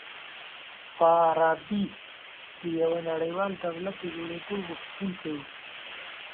فارابي د يوه نړيوال دولت د جوړېدو غوښتونکی و.